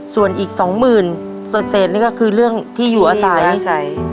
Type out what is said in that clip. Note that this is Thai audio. ส่วนอีก๒หมื่นตัดเศษนี่ก็คือเรื่องที่อยู่อาศัย